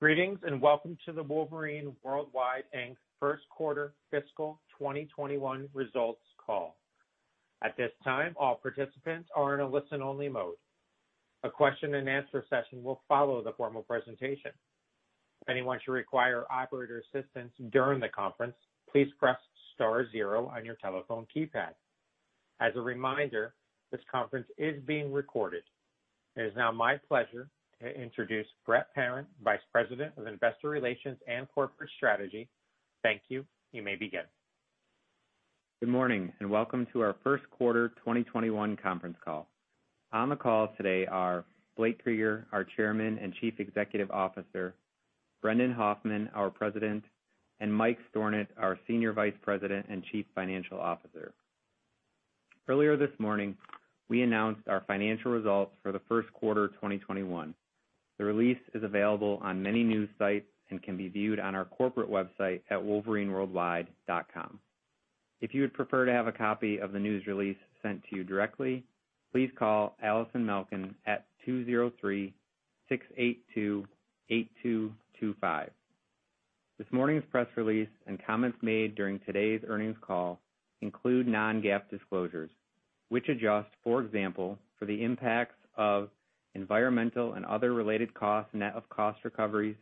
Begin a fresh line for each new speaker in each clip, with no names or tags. Greetings, and welcome to the Wolverine World Wide, Inc. first quarter fiscal 2021 results call. At this time, all participants are in a listen-only mode. A question and answer session will follow the formal presentation. If anyone should require operator assistance during the conference, please press star zero on your telephone keypad. As a reminder, this conference is being recorded. It is now my pleasure to introduce Brett Parent, Vice President of Investor Relations and Corporate Strategy. Thank you. You may begin.
Good morning, and welcome to our first quarter 2021 conference call. On the call today are Blake Krueger, our Chairman and Chief Executive Officer, Brendan Hoffman, our President, and Mike Stornant, our Senior Vice President and Chief Financial Officer. Earlier this morning, we announced our financial results for the first quarter of 2021. The release is available on many news sites and can be viewed on our corporate website at wolverineworldwide.com. If you would prefer to have a copy of the news release sent to you directly, please call Allison Malkin at 203-682-8255. This morning's press release and comments made during today's earnings call include non-GAAP disclosures, which adjust, for example, for the impacts of environmental and other related costs, net of cost recoveries,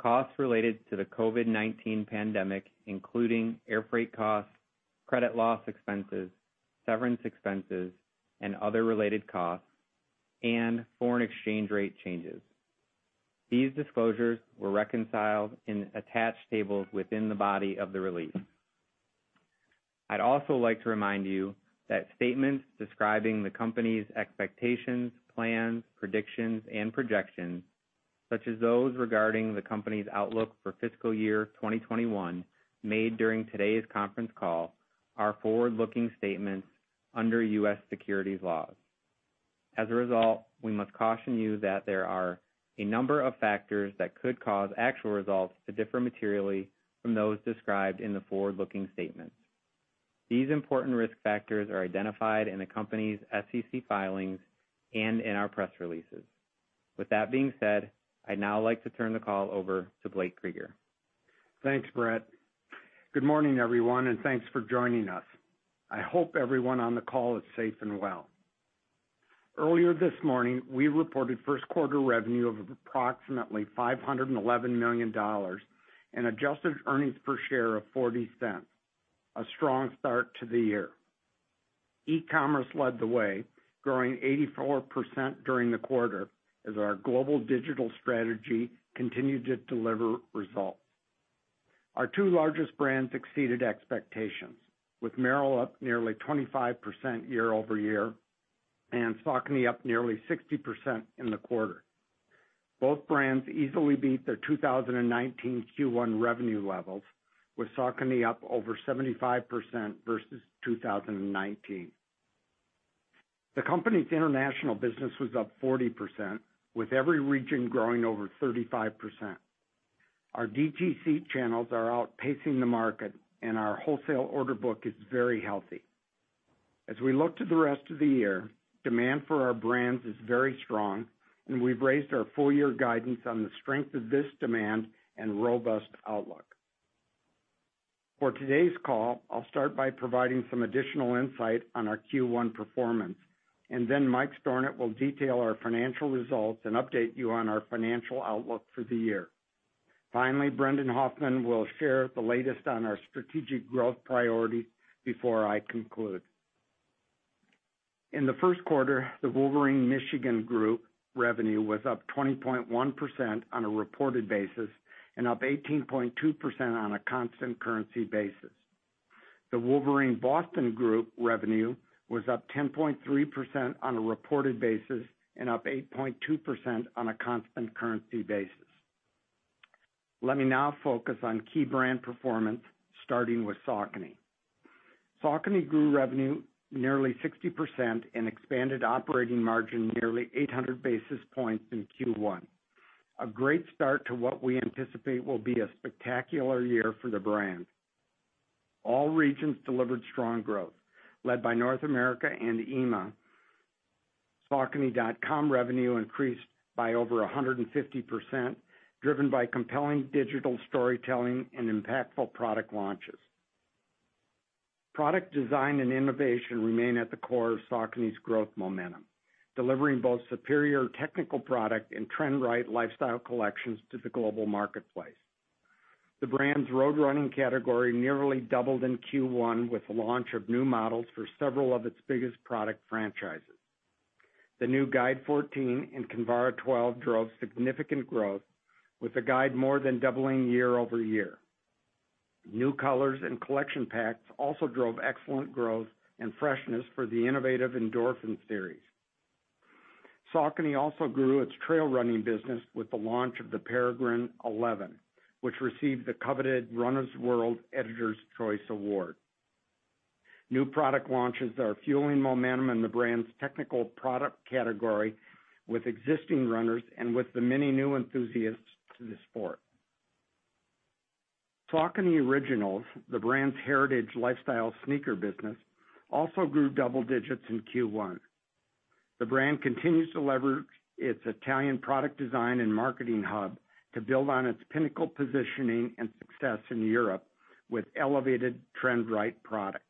costs related to the COVID-19 pandemic, including air freight costs, credit loss expenses, severance expenses, and other related costs, and foreign exchange rate changes. These disclosures were reconciled in attached tables within the body of the release. I'd also like to remind you that statements describing the company's expectations, plans, predictions, and projections, such as those regarding the company's outlook for fiscal year 2021, made during today's conference call, are forward-looking statements under U.S. securities laws. As a result, we must caution you that there are a number of factors that could cause actual results to differ materially from those described in the forward-looking statements. These important risk factors are identified in the company's SEC filings and in our press releases. With that being said, I'd now like to turn the call over to Blake Krueger.
Thanks, Brett. Good morning, everyone, and thanks for joining us. I hope everyone on the call is safe and well. Earlier this morning, we reported first quarter revenue of approximately $511 million and adjusted earnings per share of $0.40, a strong start to the year. E-commerce led the way, growing 84% during the quarter as our global digital strategy continued to deliver results. Our two largest brands exceeded expectations, with Merrell up nearly 25% year-over-year and Saucony up nearly 60% in the quarter. Both brands easily beat their 2019 Q1 revenue levels, with Saucony up over 75% versus 2019. The company's international business was up 40%, with every region growing over 35%. Our DTC channels are outpacing the market, and our wholesale order book is very healthy. As we look to the rest of the year, demand for our brands is very strong, and we've raised our full-year guidance on the strength of this demand and robust outlook. For today's call, I'll start by providing some additional insight on our Q1 performance, and then Mike Stornant will detail our financial results and update you on our financial outlook for the year. Finally, Brendan Hoffman will share the latest on our strategic growth priorities before I conclude. In the first quarter, the Wolverine Michigan Group revenue was up 20.1% on a reported basis and up 18.2% on a constant currency basis. The Wolverine Boston Group revenue was up 10.3% on a reported basis and up 8.2% on a constant currency basis. Let me now focus on key brand performance, starting with Saucony. Saucony grew revenue nearly 60% and expanded operating margin nearly 800 basis points in Q1, a great start to what we anticipate will be a spectacular year for the brand. All regions delivered strong growth, led by North America and EMEA. Saucony.com revenue increased by over 150%, driven by compelling digital storytelling and impactful product launches. Product design and innovation remain at the core of Saucony's growth momentum, delivering both superior technical product and trend-right lifestyle collections to the global marketplace. The brand's road running category nearly doubled in Q1, with the launch of new models for several of its biggest product franchises. The new Guide 14 and Kinvara 12 drove significant growth, with the Guide more than doubling year over year. New colors and collection packs also drove excellent growth and freshness for the innovative Endorphin series. Saucony also grew its trail running business with the launch of the Peregrine 11, which received the coveted Runner's World Editor's Choice Award. New product launches are fueling momentum in the brand's technical product category with existing runners and with the many new enthusiasts to the sport. Saucony Originals, the brand's heritage lifestyle sneaker business, also grew double digits in Q1. The brand continues to leverage its Italian product design and marketing hub to build on its pinnacle positioning and success in Europe with elevated trend right product.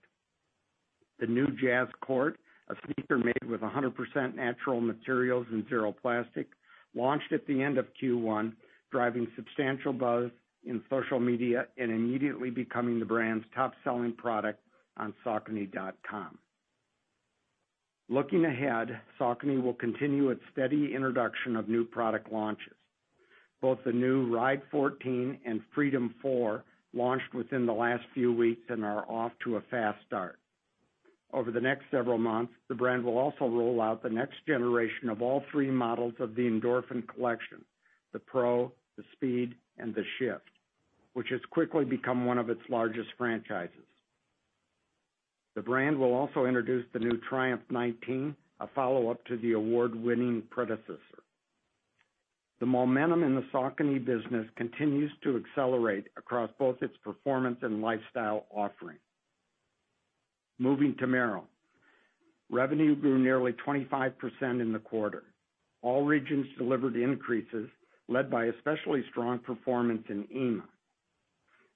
The new Jazz Court, a sneaker made with 100% natural materials and zero plastic, launched at the end of Q1, driving substantial buzz in social media and immediately becoming the brand's top-selling product on saucony.com. Looking ahead, Saucony will continue its steady introduction of new product launches. Both the new Ride 14 and Freedom 4 launched within the last few weeks and are off to a fast start. Over the next several months, the brand will also roll out the next generation of all three models of the Endorphin collection, the Pro, the Speed, and the Shift, which has quickly become one of its largest franchises. The brand will also introduce the new Triumph 19, a follow-up to the award-winning predecessor. The momentum in the Saucony business continues to accelerate across both its performance and lifestyle offering. Moving to Merrell. Revenue grew nearly 25% in the quarter. All regions delivered increases, led by especially strong performance in EMEA.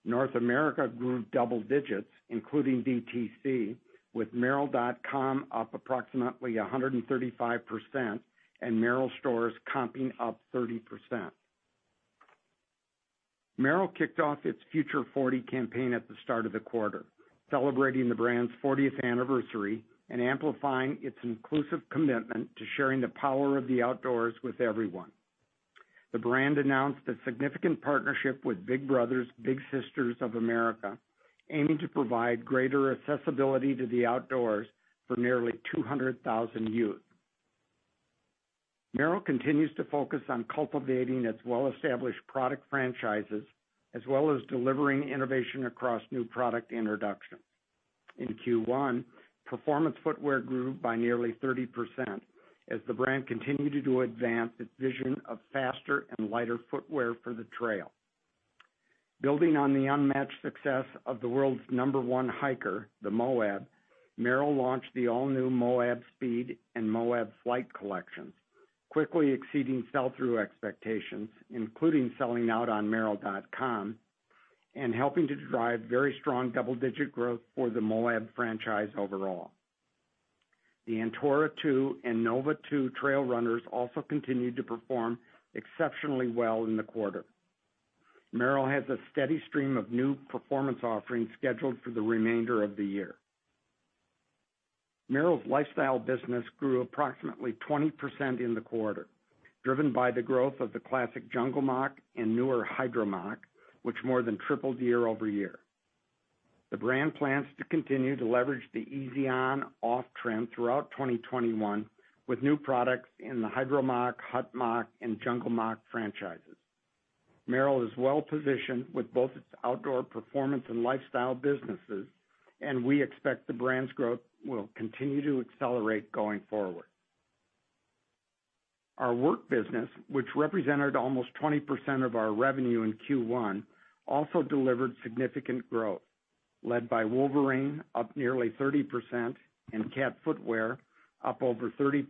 North America grew double digits, including DTC, with Merrell.com up approximately 135% and Merrell stores comping up 30%. Merrell kicked off its Future Forty campaign at the start of the quarter, celebrating the brand's 40th anniversary and amplifying its inclusive commitment to sharing the power of the outdoors with everyone. The brand announced a significant partnership with Big Brothers Big Sisters of America, aiming to provide greater accessibility to the outdoors for nearly 200,000 youth. Merrell continues to focus on cultivating its well-established product franchises, as well as delivering innovation across new product introduction. In Q1, performance footwear grew by nearly 30% as the brand continued to advance its vision of faster and lighter footwear for the trail. Building on the unmatched success of the world's No. 1 hiker, the Moab, Merrell launched the all-new Moab Speed and Moab Flight collections, quickly exceeding sell-through expectations, including selling out on merrell.com, and helping to drive very strong double-digit growth for the Moab franchise overall. The Antora 2 and Nova 2 trail runners also continued to perform exceptionally well in the quarter. Merrell has a steady stream of new performance offerings scheduled for the remainder of the year. Merrell's lifestyle business grew approximately 20% in the quarter, driven by the growth of the classic Jungle Moc and newer Hydro Moc, which more than tripled year-over-year. The brand plans to continue to leverage the easy on/off trend throughout 2021, with new products in the Hydro Moc, Hut Moc, and Jungle Moc franchises. Merrell is well positioned with both its outdoor performance and lifestyle businesses, and we expect the brand's growth will continue to accelerate going forward. Our work business, which represented almost 20% of our revenue in Q1, also delivered significant growth, led by Wolverine, up nearly 30%, and Cat Footwear, up over 30%,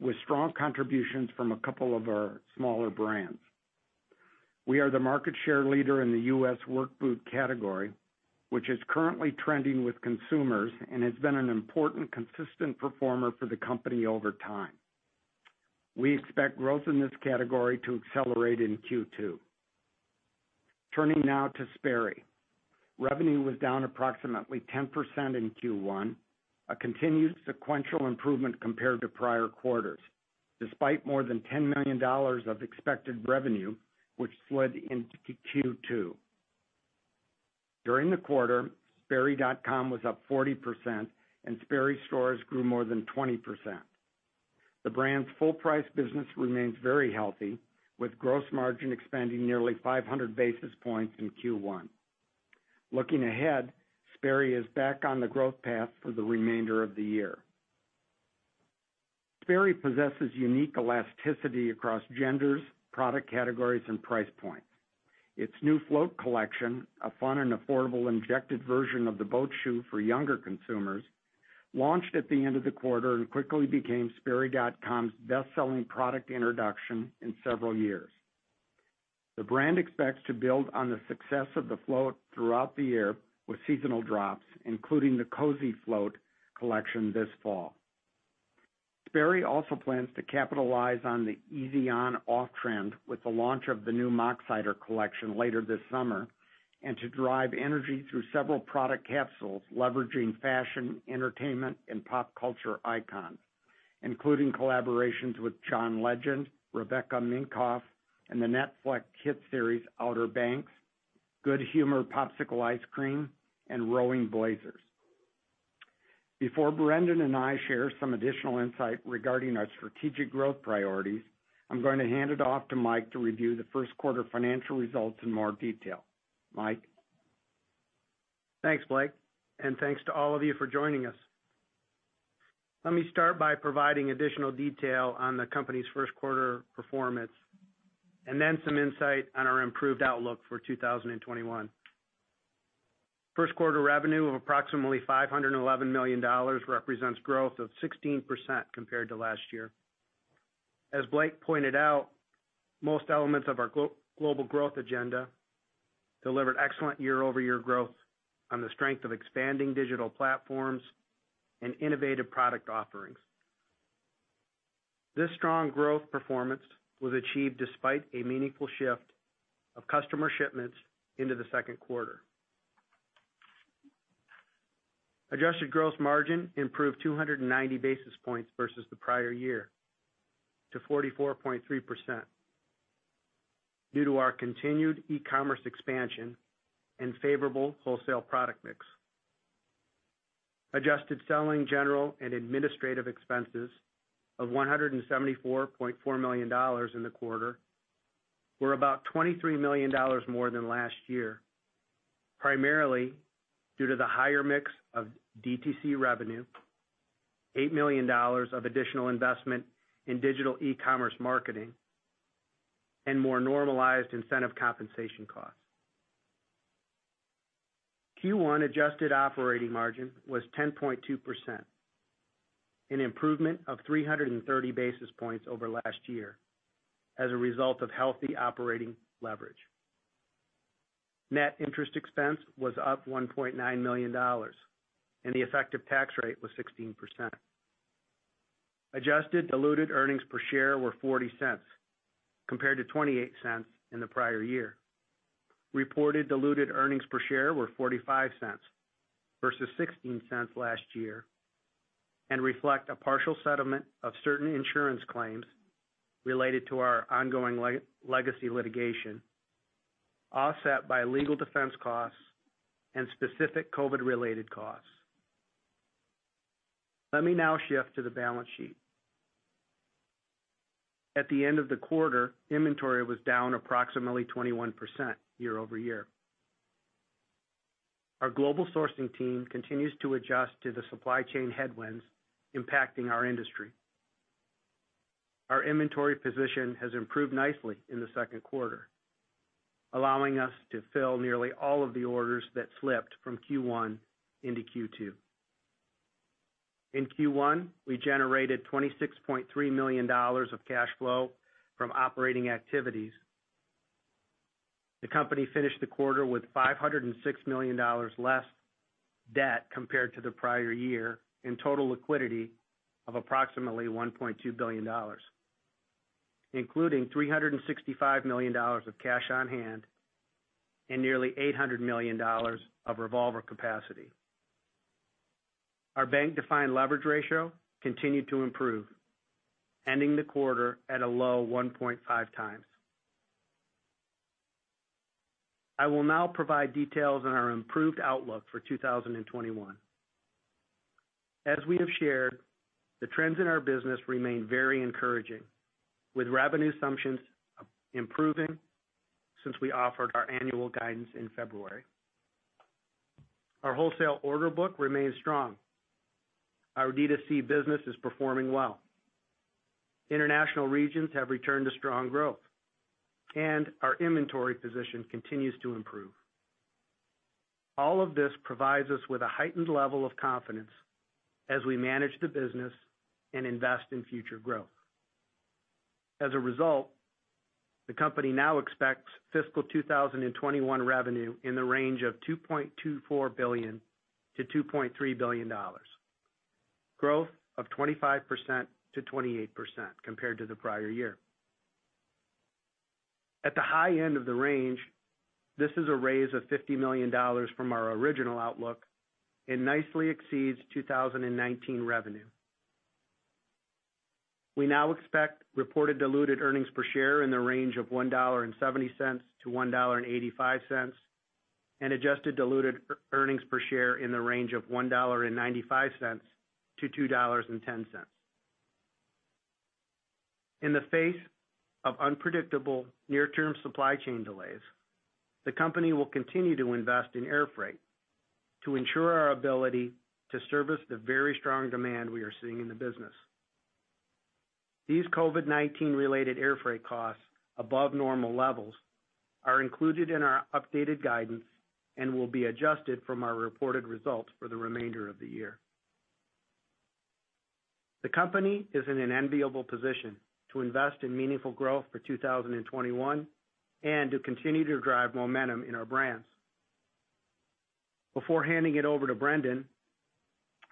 with strong contributions from a couple of our smaller brands. We are the market share leader in the U.S. work boot category, which is currently trending with consumers and has been an important, consistent performer for the company over time. We expect growth in this category to accelerate in Q2. Turning now to Sperry. Revenue was down approximately 10% in Q1, a continued sequential improvement compared to prior quarters, despite more than $10 million of expected revenue, which slid into Q2. During the quarter, Sperry.com was up 40%, and Sperry stores grew more than 20%. The brand's full price business remains very healthy, with gross margin expanding nearly 500 basis points in Q1. Looking ahead, Sperry is back on the growth path for the remainder of the year. Sperry possesses unique elasticity across genders, product categories, and price points. Its new Float collection, a fun and affordable injected version of the boat shoe for younger consumers, launched at the end of the quarter and quickly became Sperry.com's best-selling product introduction in several years. The brand expects to build on the success of the Float throughout the year with seasonal drops, including the Cozy Float collection this fall. Sperry also plans to capitalize on the easy on/off trend with the launch of the new Moc-Sider collection later this summer, and to drive energy through several product capsules, leveraging fashion, entertainment, and pop culture icons, including collaborations with John Legend, Rebecca Minkoff, and the Netflix hit series Outer Banks, Good Humor popsicle ice cream, and Rowing Blazers. Before Brendan and I share some additional insight regarding our strategic growth priorities, I'm going to hand it off to Mike to review the first quarter financial results in more detail. Mike?...
Thanks, Blake, and thanks to all of you for joining us. Let me start by providing additional detail on the company's first quarter performance, and then some insight on our improved outlook for 2021. First quarter revenue of approximately $511 million represents growth of 16% compared to last year. As Blake pointed out, most elements of our global growth agenda delivered excellent year-over-year growth on the strength of expanding digital platforms and innovative product offerings. This strong growth performance was achieved despite a meaningful shift of customer shipments into the second quarter. Adjusted gross margin improved 290 basis points versus the prior year to 44.3%, due to our continued e-commerce expansion and favorable wholesale product mix. Adjusted selling, general, and administrative expenses of $174.4 million in the quarter were about $23 million more than last year, primarily due to the higher mix of DTC revenue, $8 million of additional investment in digital e-commerce marketing, and more normalized incentive compensation costs. Q1 adjusted operating margin was 10.2%, an improvement of 330 basis points over last year as a result of healthy operating leverage. Net interest expense was up $1.9 million, and the effective tax rate was 16%. Adjusted diluted earnings per share were $0.40, compared to $0.28 in the prior year. Reported diluted earnings per share were $0.45 versus $0.16 last year, and reflect a partial settlement of certain insurance claims related to our ongoing legacy litigation, offset by legal defense costs and specific COVID-related costs. Let me now shift to the balance sheet. At the end of the quarter, inventory was down approximately 21% year-over-year. Our global sourcing team continues to adjust to the supply chain headwinds impacting our industry. Our inventory position has improved nicely in the second quarter, allowing us to fill nearly all of the orders that slipped from Q1 into Q2. In Q1, we generated $26.3 million of cash flow from operating activities. The company finished the quarter with $506 million less debt compared to the prior year, and total liquidity of approximately $1.2 billion, including $365 million of cash on hand and nearly $800 million of revolver capacity. Our bank-defined leverage ratio continued to improve, ending the quarter at a low 1.5 times. I will now provide details on our improved outlook for 2021. As we have shared, the trends in our business remain very encouraging, with revenue assumptions, improving since we offered our annual guidance in February. Our wholesale order book remains strong. Our D2C business is performing well. International regions have returned to strong growth, and our inventory position continues to improve. All of this provides us with a heightened level of confidence as we manage the business and invest in future growth. As a result, the company now expects fiscal 2021 revenue in the range of $2.24 billion-$2.3 billion, growth of 25%-28% compared to the prior year. At the high end of the range, this is a raise of $50 million from our original outlook and nicely exceeds 2019 revenue. We now expect reported diluted earnings per share in the range of $1.70-$1.85, and adjusted diluted earnings per share in the range of $1.95-$2.10. In the face of unpredictable near-term supply chain delays, the company will continue to invest in air freight to ensure our ability to service the very strong demand we are seeing in the business. These COVID-19 related airfreight costs above normal levels are included in our updated guidance and will be adjusted from our reported results for the remainder of the year. The company is in an enviable position to invest in meaningful growth for 2021 and to continue to drive momentum in our brands. Before handing it over to Brendan,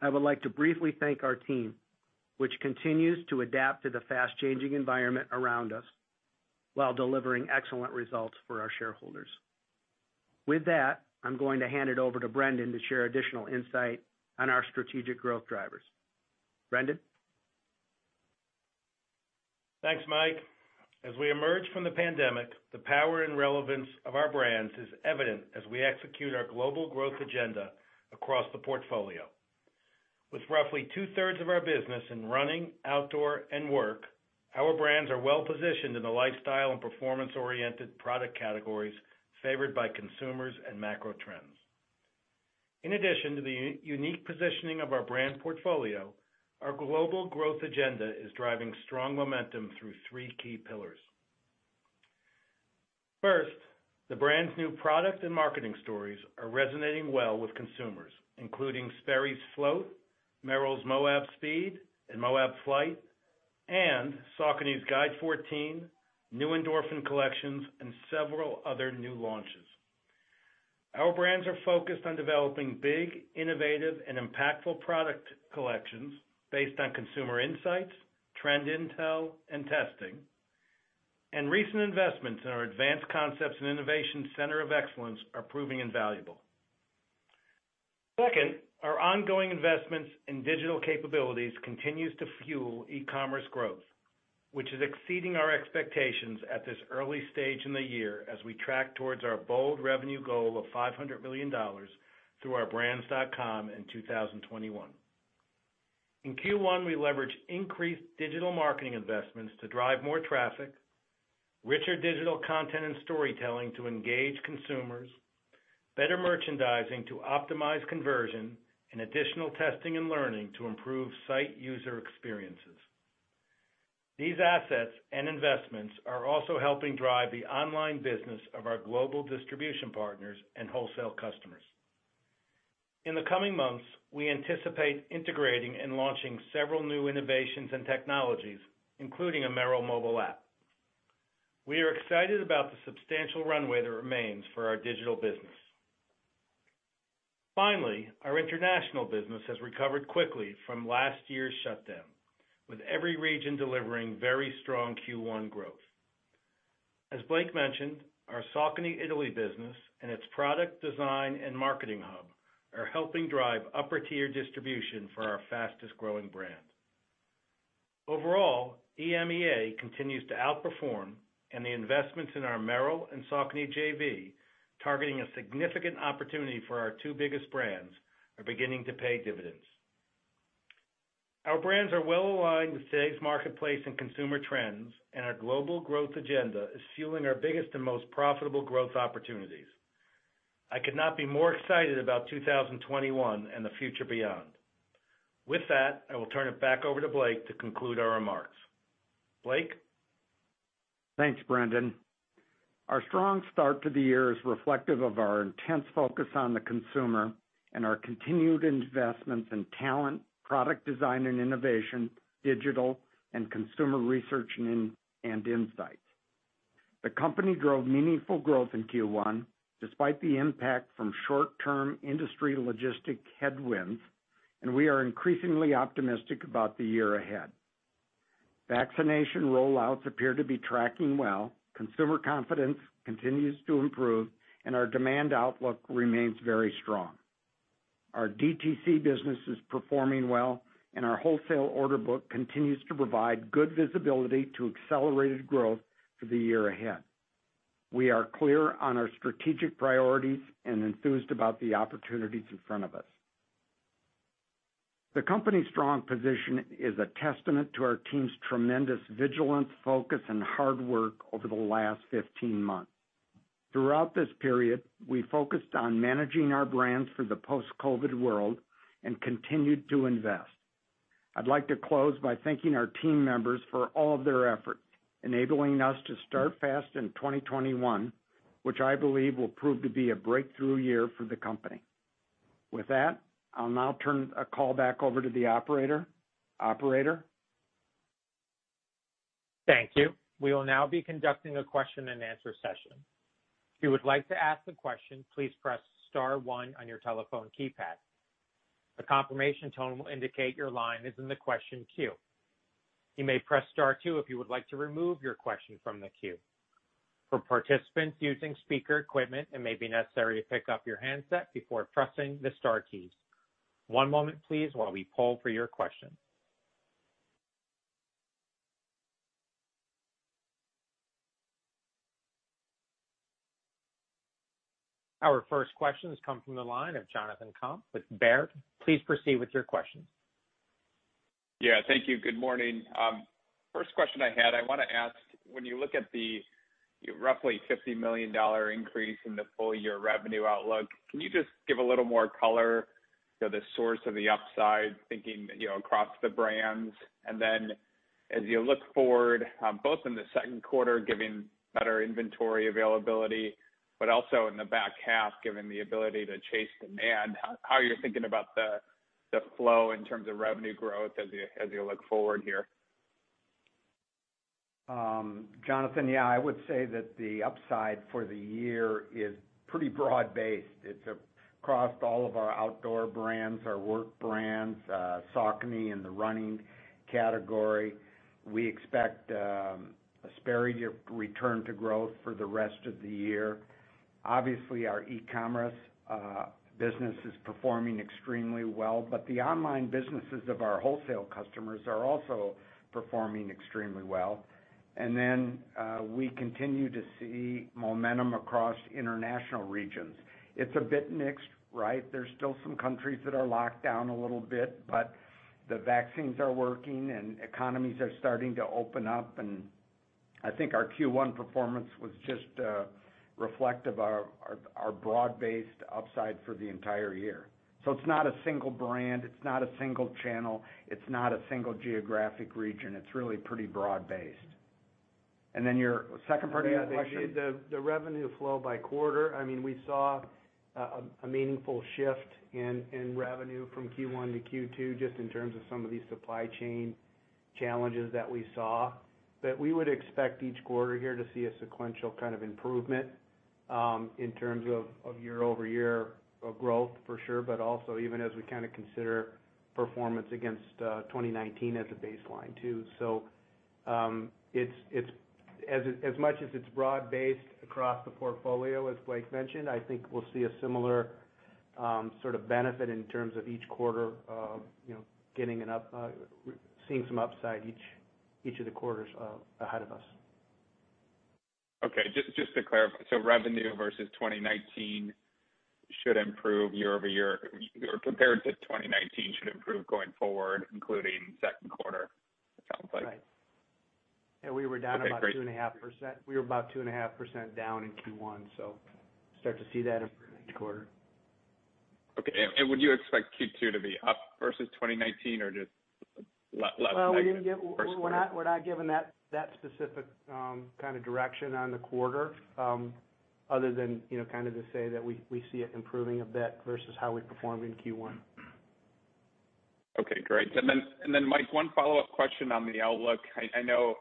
I would like to briefly thank our team, which continues to adapt to the fast-changing environment around us, while delivering excellent results for our shareholders. With that, I'm going to hand it over to Brendan to share additional insight on our strategic growth drivers. Brendan?
Thanks, Mike. As we emerge from the pandemic, the power and relevance of our brands is evident as we execute our global growth agenda across the portfolio... With roughly two-thirds of our business in running, outdoor, and work, our brands are well positioned in the lifestyle and performance-oriented product categories favored by consumers and macro trends. In addition to the unique positioning of our brand portfolio, our global growth agenda is driving strong momentum through three key pillars. First, the brand's new product and marketing stories are resonating well with consumers, including Sperry's Float, Merrell's Moab Speed and Moab Flight, and Saucony's Guide 14, new Endorphin collections, and several other new launches. Our brands are focused on developing big, innovative, and impactful product collections based on consumer insights, trend intel, and testing. Recent investments in our advanced concepts and innovation center of excellence are proving invaluable. Second, our ongoing investments in digital capabilities continues to fuel e-commerce growth, which is exceeding our expectations at this early stage in the year as we track towards our bold revenue goal of $500 million through our brands.com in 2021. In Q1, we leveraged increased digital marketing investments to drive more traffic, richer digital content and storytelling to engage consumers, better merchandising to optimize conversion, and additional testing and learning to improve site user experiences. These assets and investments are also helping drive the online business of our global distribution partners and wholesale customers. In the coming months, we anticipate integrating and launching several new innovations and technologies, including a Merrell mobile app. We are excited about the substantial runway that remains for our digital business. Finally, our international business has recovered quickly from last year's shutdown, with every region delivering very strong Q1 growth. As Blake mentioned, our Saucony Italy business and its product design and marketing hub are helping drive upper-tier distribution for our fastest-growing brand. Overall, EMEA continues to outperform, and the investments in our Merrell and Saucony JV, targeting a significant opportunity for our two biggest brands, are beginning to pay dividends. Our brands are well aligned with today's marketplace and consumer trends, and our global growth agenda is fueling our biggest and most profitable growth opportunities. I could not be more excited about 2021 and the future beyond. With that, I will turn it back over to Blake to conclude our remarks. Blake?
Thanks, Brendan. Our strong start to the year is reflective of our intense focus on the consumer and our continued investments in talent, product design and innovation, digital, and consumer research and in- and insights. The company drove meaningful growth in Q1, despite the impact from short-term industry logistic headwinds, and we are increasingly optimistic about the year ahead. Vaccination rollouts appear to be tracking well, consumer confidence continues to improve, and our demand outlook remains very strong. Our DTC business is performing well, and our wholesale order book continues to provide good visibility to accelerated growth for the year ahead. We are clear on our strategic priorities and enthused about the opportunities in front of us. The company's strong position is a testament to our team's tremendous vigilance, focus, and hard work over the last 15 months. Throughout this period, we focused on managing our brands for the post-COVID world and continued to invest. I'd like to close by thanking our team members for all of their efforts, enabling us to start fast in 2021, which I believe will prove to be a breakthrough year for the company. With that, I'll now turn the call back over to the operator. Operator?
Thank you. We will now be conducting a question-and-answer session. If you would like to ask a question, please press star one on your telephone keypad. A confirmation tone will indicate your line is in the question queue. You may press star two if you would like to remove your question from the queue. For participants using speaker equipment, it may be necessary to pick up your handset before pressing the star keys. One moment, please, while we poll for your question. Our first question has come from the line of Jonathan Komp with Baird. Please proceed with your question.
Yeah, thank you. Good morning. First question I had, I wanna ask, when you look at the roughly $50 million increase in the full year revenue outlook, can you just give a little more color to the source of the upside, thinking, you know, across the brands? And then, as you look forward, both in the second quarter, giving better inventory availability, but also in the back half, given the ability to chase demand, how are you thinking about the flow in terms of revenue growth as you look forward here?
Jonathan, yeah, I would say that the upside for the year is pretty broad-based. It's across all of our outdoor brands, our work brands, Saucony in the running category. We expect Sperry to return to growth for the rest of the year. Obviously, our e-commerce business is performing extremely well, but the online businesses of our wholesale customers are also performing extremely well. And then, we continue to see momentum across international regions.... It's a bit mixed, right? There's still some countries that are locked down a little bit, but the vaccines are working, and economies are starting to open up. And I think our Q1 performance was just reflective of our broad-based upside for the entire year. So it's not a single brand, it's not a single channel, it's not a single geographic region. It's really pretty broad-based. And then your second part of the question?
Yeah, the revenue flow by quarter, I mean, we saw a meaningful shift in revenue from Q1 to Q2, just in terms of some of these supply chain challenges that we saw. But we would expect each quarter here to see a sequential kind of improvement in terms of year-over-year growth, for sure, but also even as we kinda consider performance against 2019 as a baseline, too. So, it's as much as it's broad-based across the portfolio, as Blake mentioned, I think we'll see a similar sort of benefit in terms of each quarter, you know, seeing some upside each of the quarters ahead of us.
Okay. Just to clarify, so revenue versus 2019 should improve year-over-year, or compared to 2019, should improve going forward, including second quarter, it sounds like?
Right.
Okay, great.
We were down about 2.5%. We were about 2.5% down in Q1, so start to see that improve each quarter.
Okay. And would you expect Q2 to be up versus 2019 or just less negative?
Well, we're not giving that specific kind of direction on the quarter, other than, you know, kind of to say that we see it improving a bit versus how we performed in Q1.
Okay, great. And then, Mike, one follow-up question on the outlook. I know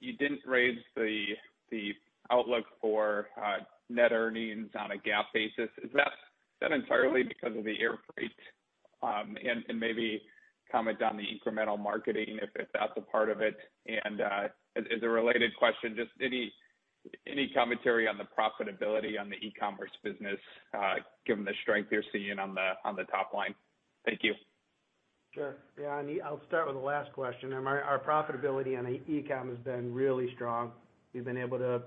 you didn't raise the outlook for net earnings on a GAAP basis. Is that entirely because of the air freight? And maybe comment on the incremental marketing, if that's a part of it. And as a related question, just any commentary on the profitability on the e-commerce business, given the strength you're seeing on the top line? Thank you.
Sure. Yeah, I'll start with the last question. Our profitability on the e-com has been really strong. We've been able to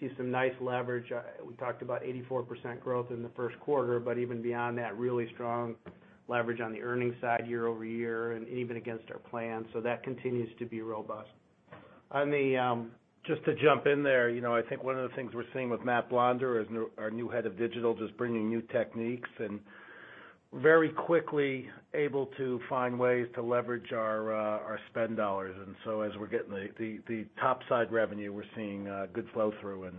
see some nice leverage. We talked about 84% growth in the first quarter, but even beyond that, really strong leverage on the earnings side, year-over-year, and even against our plan. So that continues to be robust.
On the, just to jump in there, you know, I think one of the things we're seeing with Matt Blonder, as our new head of digital, just bringing new techniques, and very quickly able to find ways to leverage our spend dollars. And so, as we're getting the top-line revenue, we're seeing good flow-through, and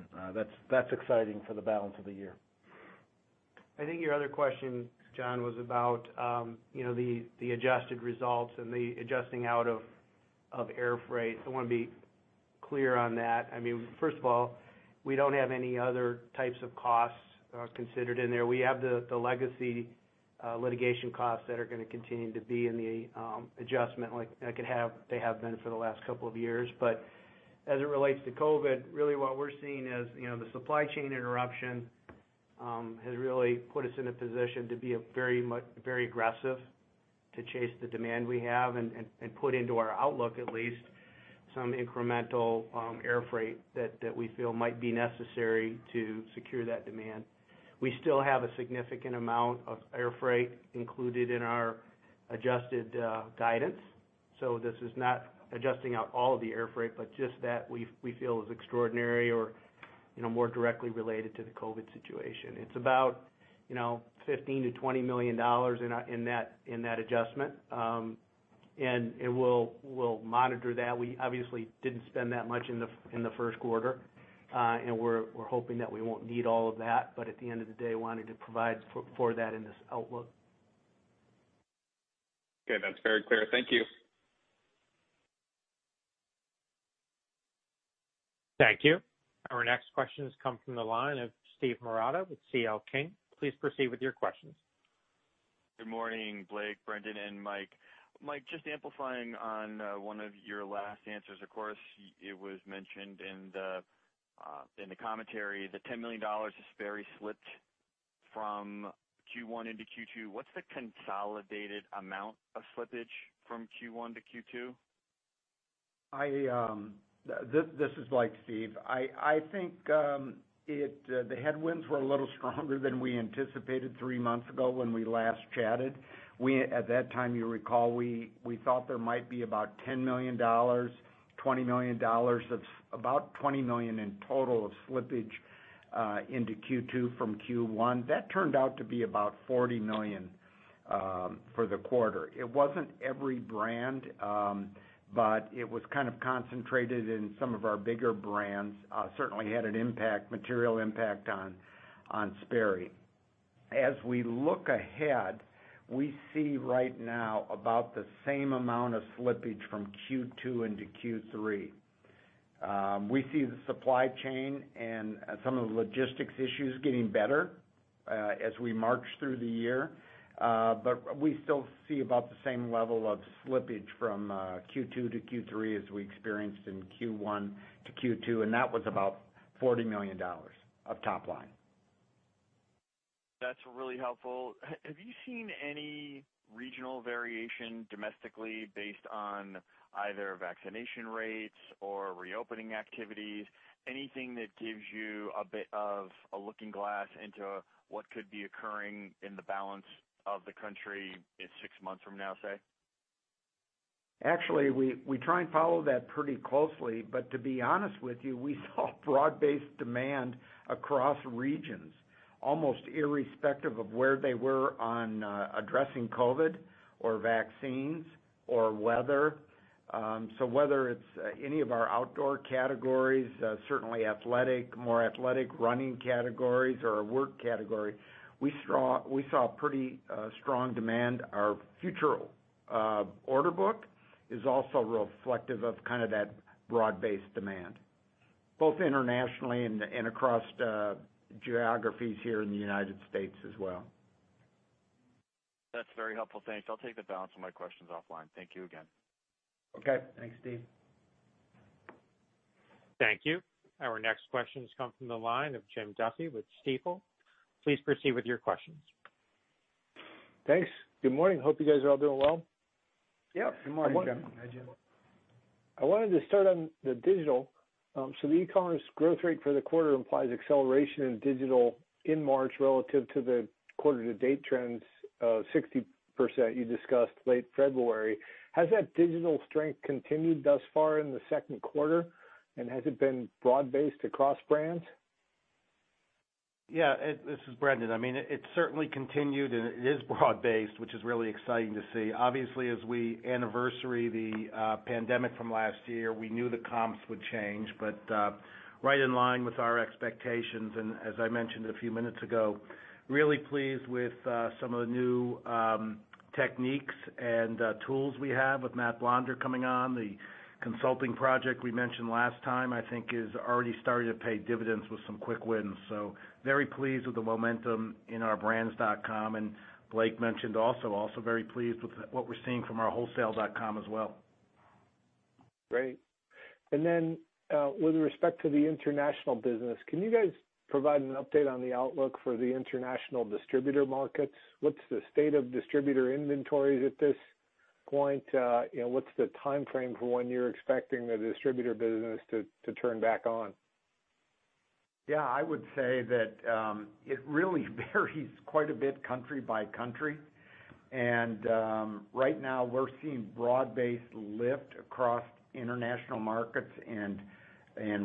that's exciting for the balance of the year.
I think your other question, John, was about, you know, the adjusted results and the adjusting out of air freight. I wanna be clear on that. I mean, first of all, we don't have any other types of costs considered in there. We have the legacy litigation costs that are gonna continue to be in the adjustment, like they have been for the last couple of years. But as it relates to COVID, really what we're seeing is, you know, the supply chain interruption has really put us in a position to be a very very aggressive, to chase the demand we have and put into our outlook, at least, some incremental air freight that we feel might be necessary to secure that demand. We still have a significant amount of air freight included in our adjusted guidance, so this is not adjusting out all of the air freight, but just that we feel is extraordinary or, you know, more directly related to the COVID situation. It's about, you know, $15 million-$20 million in that adjustment. And we'll monitor that. We obviously didn't spend that much in the first quarter, and we're hoping that we won't need all of that, but at the end of the day, wanted to provide for that in this outlook.
Okay, that's very clear. Thank you.
Thank you. Our next question has come from the line of Steven Marotta with CL King. Please proceed with your questions.
Good morning, Blake, Brendan, and Mike. Mike, just amplifying on one of your last answers. Of course, it was mentioned in the commentary, the $10 million is Sperry slipped from Q1 into Q2. What's the consolidated amount of slippage from Q1 to Q2?
This is Blake, Steve. I think the headwinds were a little stronger than we anticipated three months ago, when we last chatted. At that time, you recall, we thought there might be about $10 million, $20 million, that's about $20 million in total of slippage into Q2 from Q1. That turned out to be about $40 million for the quarter. It wasn't every brand, but it was kind of concentrated in some of our bigger brands. Certainly had an impact, material impact on Sperry. As we look ahead, we see right now about the same amount of slippage from Q2 into Q3. We see the supply chain and some of the logistics issues getting better as we march through the year. We still see about the same level of slippage from Q2 to Q3 as we experienced in Q1 to Q2, and that was about $40 million of top line....
That's really helpful. Have you seen any regional variation domestically based on either vaccination rates or reopening activities? Anything that gives you a bit of a looking glass into what could be occurring in the balance of the country in six months from now, say?
Actually, we try and follow that pretty closely, but to be honest with you, we saw broad-based demand across regions, almost irrespective of where they were on addressing COVID, or vaccines, or weather. So whether it's any of our outdoor categories, certainly athletic, more athletic running categories or our work category, we saw pretty strong demand. Our future order book is also reflective of kind of that broad-based demand, both internationally and across the geographies here in the United States as well.
That's very helpful. Thanks. I'll take the balance of my questions offline. Thank you again.
Okay. Thanks, Steve.
Thank you. Our next question comes from the line of Jim Duffy with Stifel. Please proceed with your questions.
Thanks. Good morning. Hope you guys are all doing well.
Yeah, good morning, Jim.
Hi, Jim.
I wanted to start on the digital. So the e-commerce growth rate for the quarter implies acceleration in digital in March, relative to the quarter to date trends, 60% you discussed late February. Has that digital strength continued thus far in the second quarter, and has it been broad-based across brands?
Yeah. This is Brendan. I mean, it certainly continued, and it is broad-based, which is really exciting to see. Obviously, as we anniversary the pandemic from last year, we knew the comps would change, but right in line with our expectations, and as I mentioned a few minutes ago, really pleased with some of the new techniques and tools we have with Matt Blonder coming on. The consulting project we mentioned last time, I think is already starting to pay dividends with some quick wins, so very pleased with the momentum in our brands.com. And Blake mentioned also very pleased with what we're seeing from our wholesale.com as well.
Great. And then, with respect to the international business, can you guys provide an update on the outlook for the international distributor markets? What's the state of distributor inventories at this point? You know, what's the timeframe for when you're expecting the distributor business to turn back on?
Yeah, I would say that, it really varies quite a bit country by country. Right now, we're seeing broad-based lift across international markets and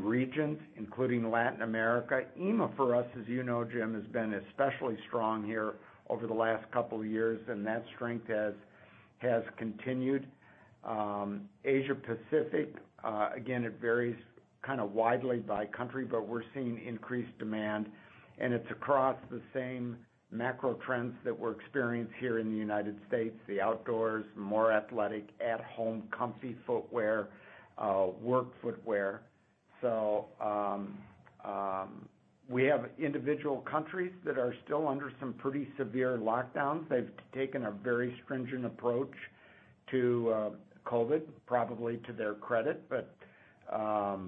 regions, including Latin America. EMEA, for us, as you know, Jim, has been especially strong here over the last couple of years, and that strength has continued. Asia Pacific, again, it varies kind of widely by country, but we're seeing increased demand, and it's across the same macro trends that we're experienced here in the United States, the outdoors, more athletic, at home, comfy footwear, work footwear. So, we have individual countries that are still under some pretty severe lockdowns. They've taken a very stringent approach to COVID, probably to their credit, but the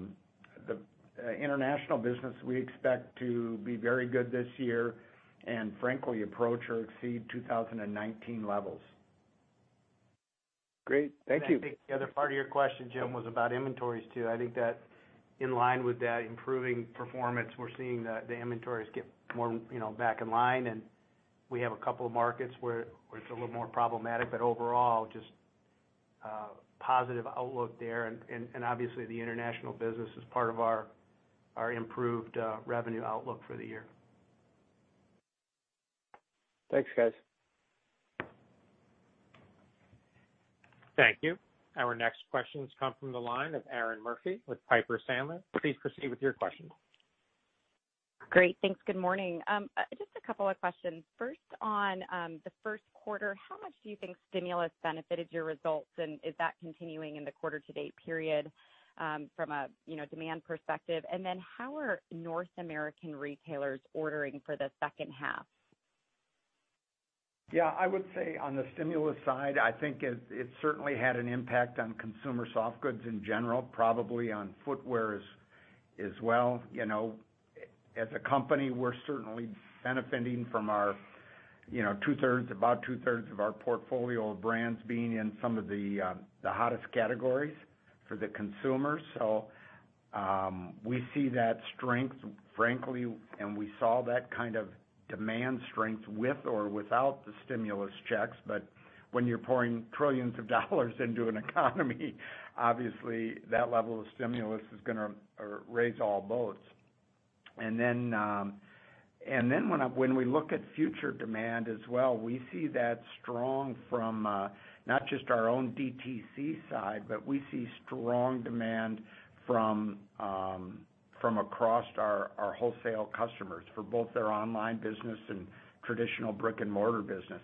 international business, we expect to be very good this year, and frankly, approach or exceed 2019 levels.
Great. Thank you.
And I think the other part of your question, Jim, was about inventories, too. I think that in line with that improving performance, we're seeing the inventories get more, you know, back in line, and we have a couple of markets where it's a little more problematic, but overall, just positive outlook there. Obviously, the international business is part of our improved revenue outlook for the year.
Thanks, guys.
Thank you. Our next question comes from the line of Erinn Murphy with Piper Sandler. Please proceed with your question.
Great. Thanks. Good morning. Just a couple of questions. First, on the first quarter, how much do you think stimulus benefited your results, and is that continuing in the quarter to date period, from a, you know, demand perspective? And then, how are North American retailers ordering for the second half?
Yeah, I would say on the stimulus side, I think it, it certainly had an impact on consumer soft goods in general, probably on footwear as, as well. You know, as a company, we're certainly benefiting from our, you know, two thirds, about two thirds of our portfolio of brands being in some of the, the hottest categories for the consumer. So, we see that strength, frankly, and we saw that kind of demand strength with or without the stimulus checks, but when you're pouring trillions of dollars into an economy, obviously, that level of stimulus is gonna raise all boats. And then, and then when we look at future demand as well, we see that strong from, not just our own DTC side, but we see strong demand from, from across our, our wholesale customers for both their online business and traditional brick-and-mortar business.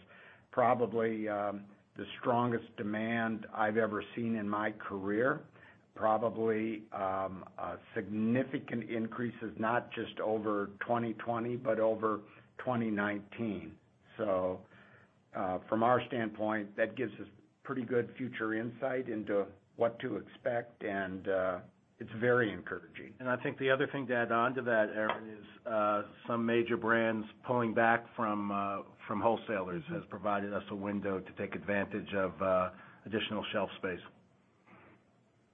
Probably, the strongest demand I've ever seen in my career. Probably, significant increases, not just over 2020, but over 2019. So, from our standpoint, that gives us pretty good future insight into what to expect, and, it's very encouraging. And I think the other thing to add on to that, Erinn, is, some major brands pulling back from, from wholesalers has provided us a window to take advantage of, additional shelf space.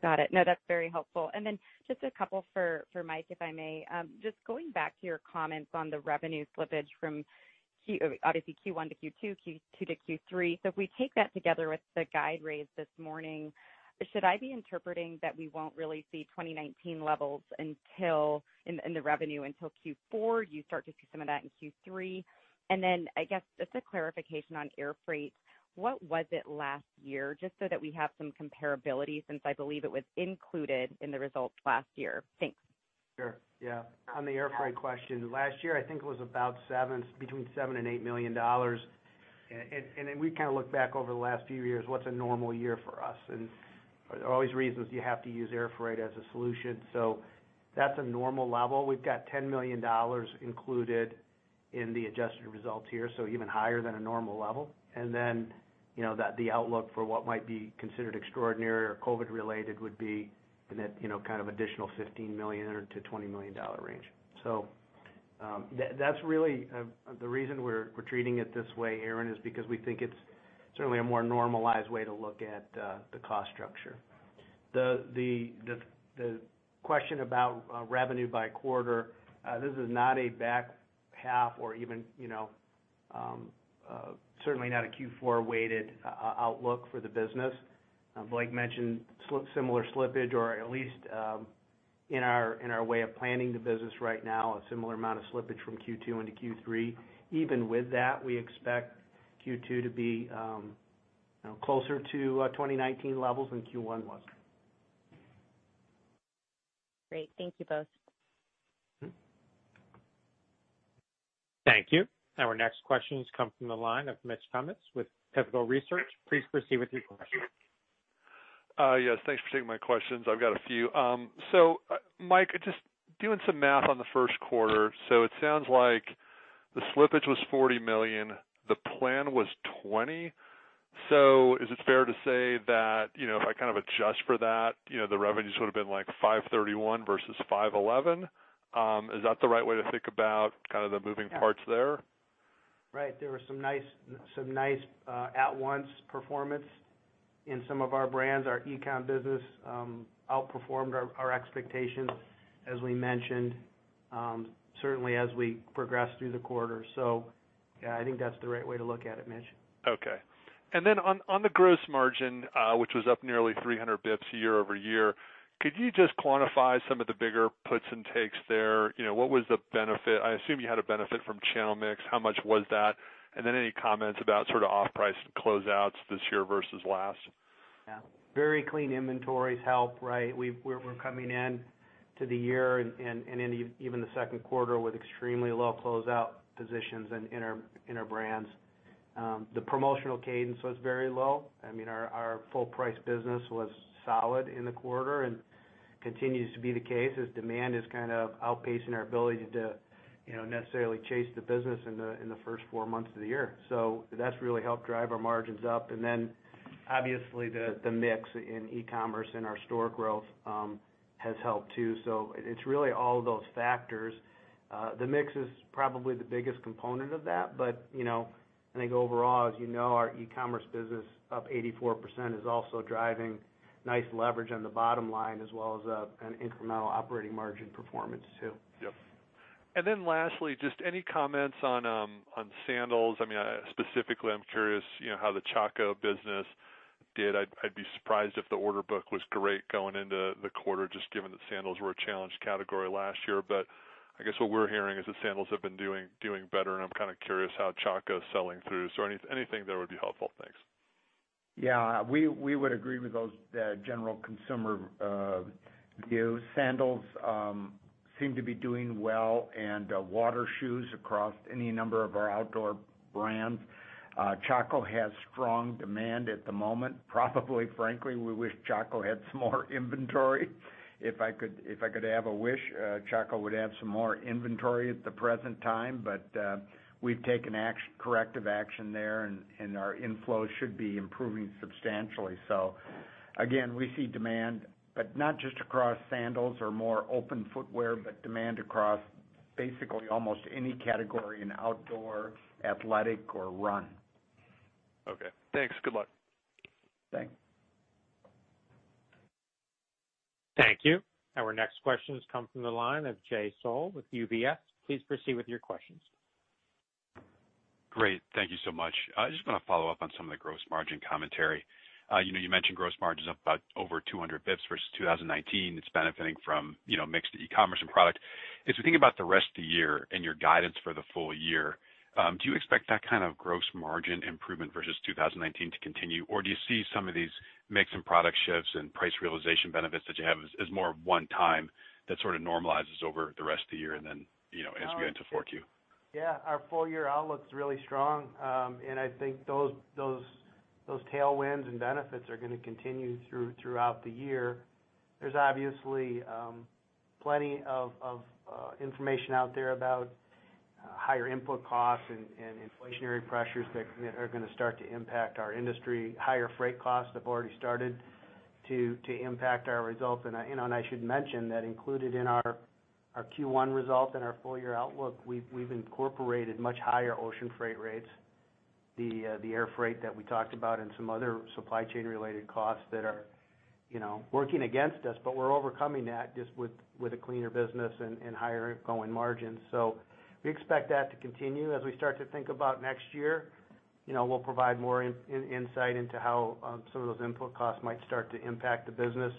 Got it. No, that's very helpful. And then just a couple for, for Mike, if I may. Just going back to your comments on the revenue slippage from Q—obviously, Q1 to Q2, Q2 to Q3. So if we take that together with the guide raise this morning, should I be interpreting that we won't really see 2019 levels until in the revenue, until Q4, you start to see some of that in Q3? And then, I guess, just a clarification on airfreight. What was it last year? Just so that we have some comparability, since I believe it was included in the results last year. Thanks.
Sure, yeah. On the airfreight question, last year, I think it was between $7 million and $8 million. And then we kind of look back over the last few years, what's a normal year for us? And there are always reasons you have to use airfreight as a solution. So that's a normal level. We've got $10 million included in the adjusted results here, so even higher than a normal level. And then, you know, that the outlook for what might be considered extraordinary or COVID-related would be in that, you know, kind of additional $15 million-$20 million range. So, that, that's really the reason we're treating it this way, Erin, is because we think it's certainly a more normalized way to look at the cost structure. The question about revenue by quarter, this is not a back half or even, you know, certainly not a Q4-weighted outlook for the business. Blake mentioned similar slippage, or at least, in our way of planning the business right now, a similar amount of slippage from Q2 into Q3. Even with that, we expect Q2 to be closer to 2019 levels than Q1 was.
Great. Thank you, both.
Mm-hmm.
Thank you. Our next question has come from the line of Mitchel Kummetz with Pivotal Research. Please proceed with your question.
Yes, thanks for taking my questions. I've got a few. So, Mike, just doing some math on the first quarter. So it sounds like the slippage was $40 million, the plan was $20 million. So is it fair to say that, you know, if I kind of adjust for that, you know, the revenues would have been, like, $531 million versus $511 million? Is that the right way to think about kind of the moving parts there?
Right. There were some nice at-once performance in some of our brands. Our e-com business outperformed our expectations, as we mentioned, certainly as we progressed through the quarter. So yeah, I think that's the right way to look at it, Mitch.
Okay. And then on, on the gross margin, which was up nearly 300 basis points year-over-year, could you just quantify some of the bigger puts and takes there? You know, what was the benefit? I assume you had a benefit from channel mix. How much was that? And then any comments about sort of off-price closeouts this year versus last?
Yeah. Very clean inventories help, right? We're coming into the year and even the second quarter with extremely low closeout positions in our brands. The promotional cadence was very low. I mean, our full price business was solid in the quarter and continues to be the case as demand is kind of outpacing our ability to, you know, necessarily chase the business in the first four months of the year. So that's really helped drive our margins up. And then, obviously, the mix in e-commerce and our store growth has helped, too. So it's really all of those factors. The mix is probably the biggest component of that, but you know, I think overall, as you know, our e-commerce business, up 84%, is also driving nice leverage on the bottom line, as well as an incremental operating margin performance, too.
Yep. And then lastly, just any comments on on sandals? I mean, specifically, I'm curious, you know, how the Chaco business did. I'd be surprised if the order book was great going into the quarter, just given that sandals were a challenged category last year. But I guess what we're hearing is that sandals have been doing better, and I'm kind of curious how Chaco is selling through. So anything there would be helpful. Thanks.
Yeah, we would agree with those general consumer views. Sandals seem to be doing well, and water shoes across any number of our outdoor brands. Chaco has strong demand at the moment. Probably, frankly, we wish Chaco had some more inventory. If I could have a wish, Chaco would have some more inventory at the present time, but we've taken corrective action there, and our inflows should be improving substantially. So again, we see demand, but not just across sandals or more open footwear, but demand across basically almost any category in outdoor, athletic or run.
Okay. Thanks. Good luck.
Thanks.
Thank you. Our next question has come from the line of Jay Sole with UBS. Please proceed with your questions.
Great. Thank you so much. I just want to follow up on some of the gross margin commentary. You know, you mentioned gross margin is up about over 200 basis points versus 2019. It's benefiting from, you know, mix to e-commerce and product. As you think about the rest of the year and your guidance for the full year, do you expect that kind of gross margin improvement versus 2019 to continue, or do you see some of these mix and product shifts and price realization benefits that you have as more of one time that sort of normalizes over the rest of the year and then, you know, as we get into 4Q?
Yeah. Our full-year outlook's really strong, and I think those,... those tailwinds and benefits are going to continue throughout the year. There's obviously plenty of information out there about higher input costs and inflationary pressures that are going to start to impact our industry. Higher freight costs have already started to impact our results. And I, you know, and I should mention that included in our Q1 results and our full year outlook, we've incorporated much higher ocean freight rates, the air freight that we talked about, and some other supply chain-related costs that are, you know, working against us. But we're overcoming that just with a cleaner business and higher going margins. So we expect that to continue. As we start to think about next year, you know, we'll provide more insight into how some of those input costs might start to impact the business.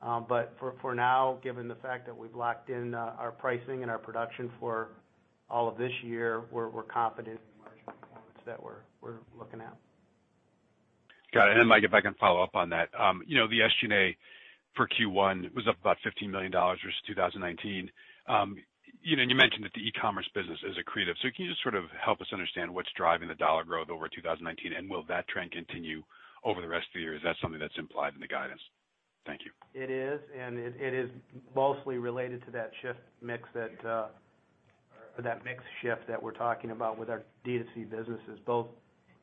But for now, given the fact that we've locked in our pricing and our production for all of this year, we're confident in the margin performance that we're looking at. Got it. And then, Mike, if I can follow up on that. You know, the SG&A for Q1 was up about $15 million versus 2019. You know, and you mentioned that the e-commerce business is accretive. So can you just sort of help us understand what's driving the dollar growth over 2019, and will that trend continue over the rest of the year, or is that something that's implied in the guidance? Thank you. It is, and it is mostly related to that shift mix that, or that mix shift that we're talking about with our D2C businesses. Both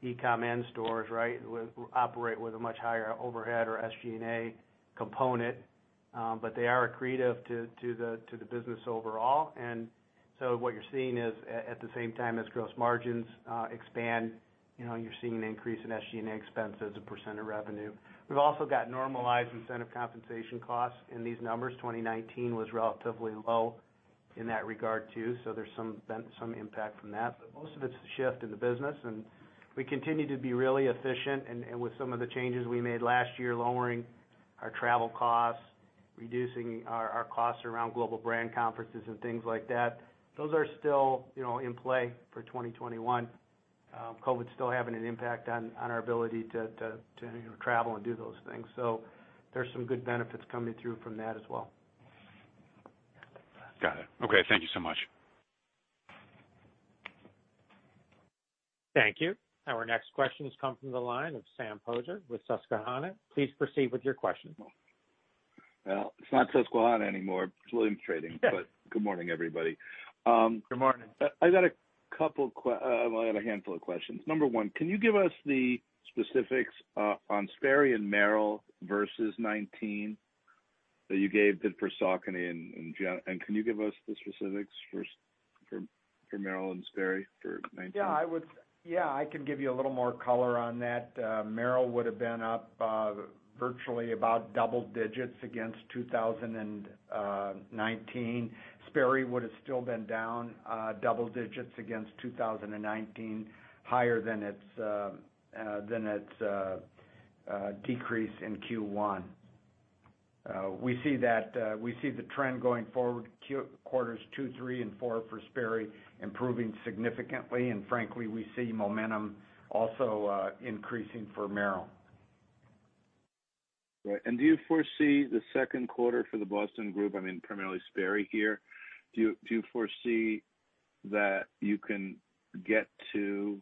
e-com and stores, right? We operate with a much higher overhead or SG&A component, but they are accretive to the business overall. And so what you're seeing is, at the same time as gross margins expand, you know, you're seeing an increase in SG&A expense as a % of revenue. We've also got normalized incentive compensation costs in these numbers. 2019 was relatively low in that regard, too, so there's some impact from that. But most of it's a shift in the business, and we continue to be really efficient. And with some of the changes we made last year, lowering our travel costs, reducing our costs around global brand conferences and things like that, those are still, you know, in play for 2021. COVID's still having an impact on our ability to travel and do those things. So there's some good benefits coming through from that as well.
Got it. Okay, thank you so much.
Thank you. Our next question has come from the line of Samuel Poser with Susquehanna. Please proceed with your question.
Well, it's not Susquehanna anymore. It's Williams Trading.
Yeah.
Good morning, everybody.
Good morning.
Well, I got a handful of questions. Number one, can you give us the specifics on Sperry and Merrell versus 2019, that you gave that for Saucony and then? And can you give us the specifics for Merrell and Sperry for 2019?
Yeah, I would... Yeah, I can give you a little more color on that. Merrell would've been up, virtually about double digits against 2019. Sperry would've still been down, double digits against 2019, higher than its decrease in Q1. We see that, we see the trend going forward, quarters two, three, and four for Sperry, improving significantly, and frankly, we see momentum also increasing for Merrell.
Right. And do you foresee the second quarter for the Boston Group, I mean, primarily Sperry here, do you, do you foresee that you can get to,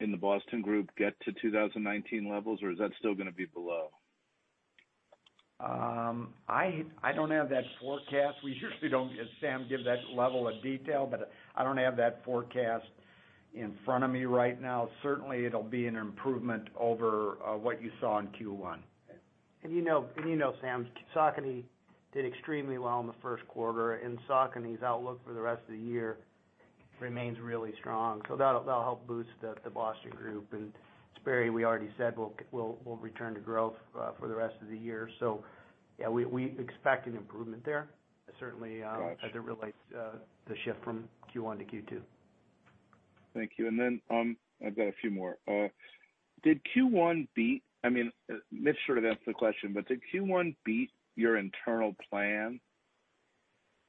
in the Boston Group, get to 2019 levels, or is that still gonna be below?
I don't have that forecast. We usually don't, Sam, give that level of detail, but I don't have that forecast in front of me right now. Certainly, it'll be an improvement over what you saw in Q1.
You know, Sam, Saucony did extremely well in the first quarter, and Saucony's outlook for the rest of the year remains really strong. So that'll help boost the Boston Group. And Sperry, we already said, will return to growth for the rest of the year. So yeah, we expect an improvement there, certainly.
Gotcha...
as it relates, the shift from Q1 to Q2.
Thank you. And then, I've got a few more. Did Q1 beat... I mean, Mitch sort of answered the question, but did Q1 beat your internal plan?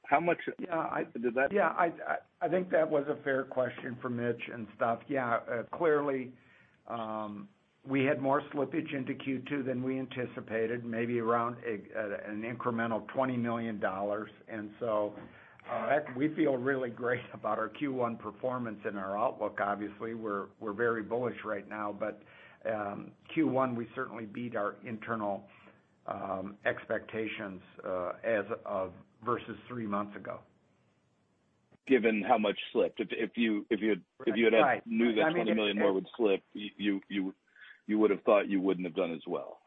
How much-
Yeah, I-
Did that-
Yeah, I think that was a fair question for Mitch and stuff. Yeah, clearly, we had more slippage into Q2 than we anticipated, maybe around an incremental $20 million. And so, heck, we feel really great about our Q1 performance and our outlook. Obviously, we're very bullish right now. But, Q1, we certainly beat our internal expectations, as of versus three months ago.
Given how much slipped, if you had-
Right...
if you had knew that $20 million more would slip, you would've thought you wouldn't have done as well.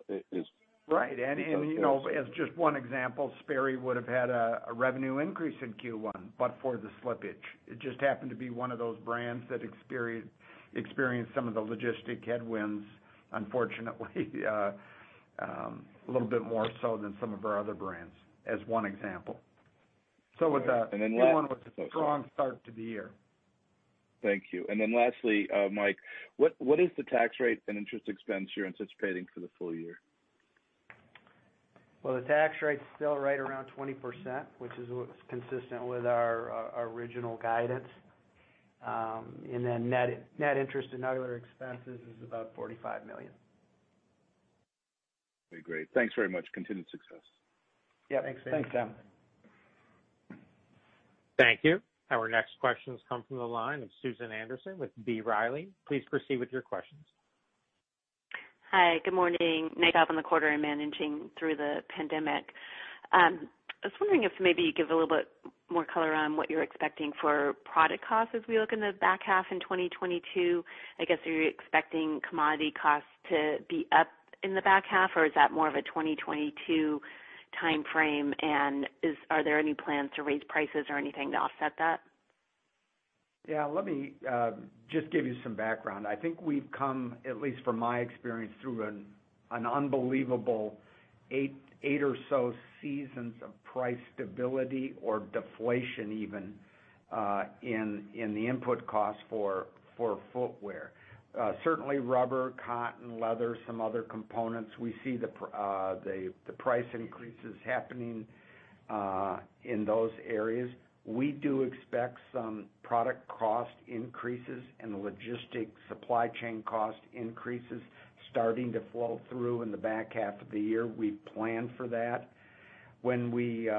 Right.
Because, you know-
You know, as just one example, Sperry would've had a revenue increase in Q1, but for the slippage. It just happened to be one of those brands that experienced some of the logistics headwinds, unfortunately, a little bit more so than some of our other brands, as one example.
And then last-
Q1 was a strong start to the year.
Thank you. And then lastly, Mike, what is the tax rate and interest expense you're anticipating for the full year?
Well, the tax rate's still right around 20%, which is what's consistent with our original guidance. Then net interest and other expenses is about $45 million.
Okay, great. Thanks very much. Continued success.
Yeah.
Thanks, Sam.
Thanks, Sam.
Thank you. Our next questions come from the line of Susan Anderson with B. Riley. Please proceed with your questions.
Hi, good morning. Nice job on the quarter and managing through the pandemic. I was wondering if maybe you could give a little bit more color on what you're expecting for product costs as we look in the back half in 2022. I guess, are you expecting commodity costs to be up in the back half, or is that more of a 2022 timeframe? And are there any plans to raise prices or anything to offset that?
Yeah, let me just give you some background. I think we've come, at least from my experience, through an unbelievable eight or so seasons of price stability or deflation even, in the input costs for footwear. Certainly, rubber, cotton, leather, some other components, we see the price increases happening in those areas. We do expect some product cost increases and logistic supply chain cost increases starting to flow through in the back half of the year. We plan for that. When we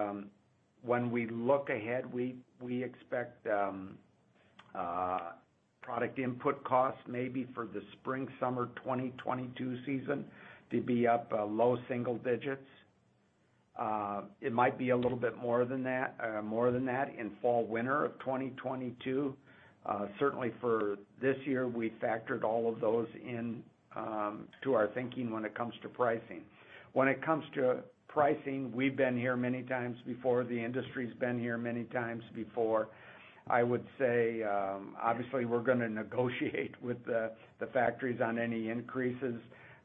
look ahead, we expect product input costs, maybe for the spring, summer 2022 season to be up low single digits. It might be a little bit more than that, more than that in fall, winter of 2022. Certainly for this year, we factored all of those in, to our thinking when it comes to pricing. When it comes to pricing, we've been here many times before. The industry's been here many times before. I would say, obviously, we're gonna negotiate with the factories on any increases.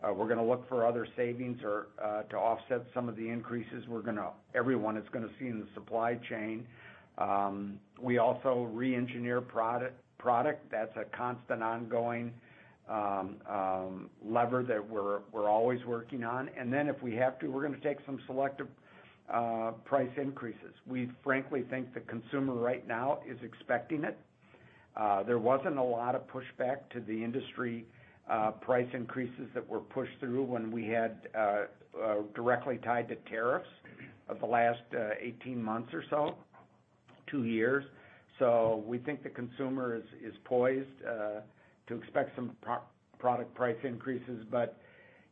We're gonna look for other savings or, to offset some of the increases. We're gonna—everyone is gonna see in the supply chain. We also reengineer product. That's a constant ongoing lever that we're always working on. And then if we have to, we're gonna take some selective price increases. We frankly think the consumer right now is expecting it. There wasn't a lot of pushback to the industry price increases that were pushed through when we had directly tied to tariffs of the last 18 months or so, two years. So we think the consumer is poised to expect some product price increases. But,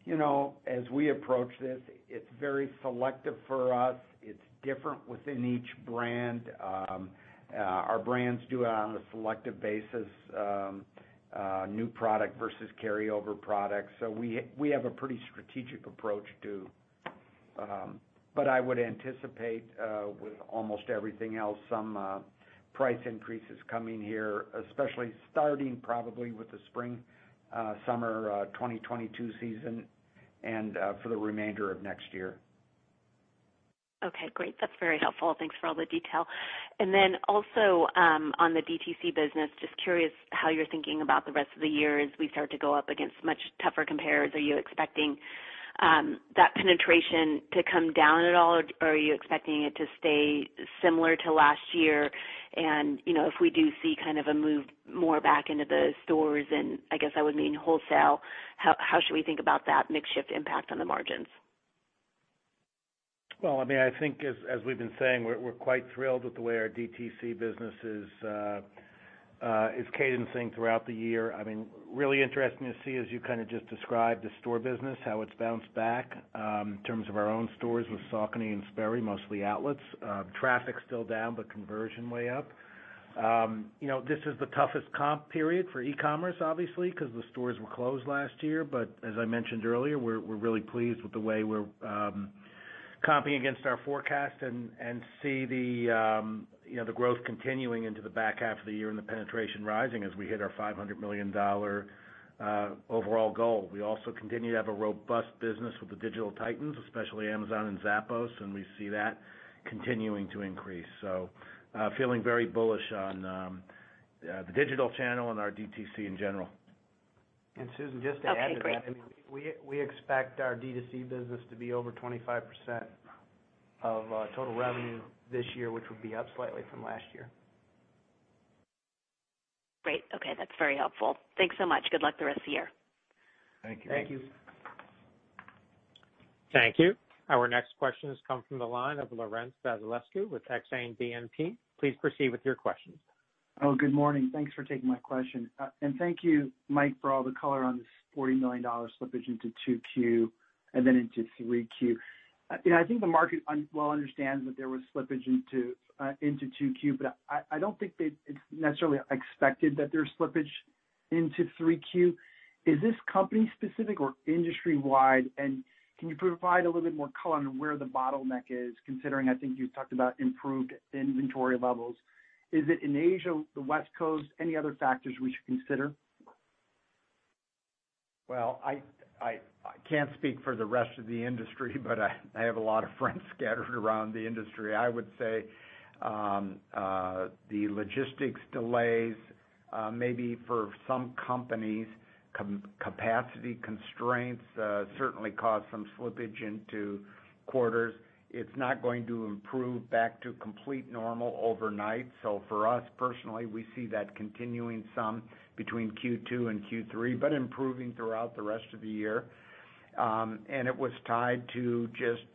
you know, as we approach this, it's very selective for us. It's different within each brand. Our brands do it on a selective basis, new product versus carryover products. So we have a pretty strategic approach to... But I would anticipate, with almost everything else, some price increases coming here, especially starting probably with the spring summer 2022 season and for the remainder of next year.
Okay, great. That's very helpful. Thanks for all the detail. And then also, on the DTC business, just curious how you're thinking about the rest of the year as we start to go up against much tougher compares. Are you expecting, that penetration to come down at all, or are you expecting it to stay similar to last year? And, you know, if we do see kind of a move more back into the stores, and I guess I would mean wholesale, how, how should we think about that mix shift impact on the margins?
Well, I mean, I think as, as we've been saying, we're, we're quite thrilled with the way our DTC business is, is cadencing throughout the year. I mean, really interesting to see, as you kind of just described, the store business, how it's bounced back, in terms of our own stores with Saucony and Sperry, mostly outlets. Traffic's still down, but conversion way up. You know, this is the toughest comp period for e-commerce, obviously, because the stores were closed last year. But as I mentioned earlier, we're, we're really pleased with the way we're, comping against our forecast and, and see the, you know, the growth continuing into the back half of the year and the penetration rising as we hit our $500 million overall goal. We also continue to have a robust business with the digital titans, especially Amazon and Zappos, and we see that continuing to increase. So, feeling very bullish on the digital channel and our DTC in general.
Susan, just to add to that-
Okay, great.
We expect our DTC business to be over 25% of total revenue this year, which would be up slightly from last year.
Great. Okay, that's very helpful. Thanks so much. Good luck the rest of the year.
Thank you.
Thank you.
Thank you. Our next questions come from the line of Laurent Vasilescu with Exane BNP Paribas. Please proceed with your questions.
Oh, good morning. Thanks for taking my question. And thank you, Mike, for all the color on this $40 million slippage into 2Q and then into 3Q. You know, I think the market understands that there was slippage into 2Q, but I don't think they - it's necessarily expected that there's slippage into 3Q. Is this company specific or industry wide? And can you provide a little bit more color on where the bottleneck is, considering, I think, you've talked about improved inventory levels. Is it in Asia, the West Coast? Any other factors we should consider?
Well, I can't speak for the rest of the industry, but I have a lot of friends scattered around the industry. I would say, the logistics delays, maybe for some companies, capacity constraints, certainly caused some slippage into quarters. It's not going to improve back to complete normal overnight. So for us, personally, we see that continuing some between Q2 and Q3, but improving throughout the rest of the year. And it was tied to just